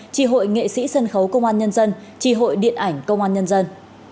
tri hội nghệ sĩ sân khấu công an nhân dân tri hội điện ảnh công an nhân dân